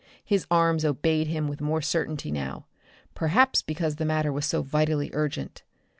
His arms obeyed him with more certainty now, perhaps because the matter was so vitally urgent.